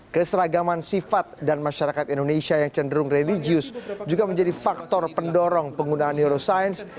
keseragaman sifat dan masyarakat indonesia yang cenderung religius juga menjadi faktor pendorong penggunaan neuroscience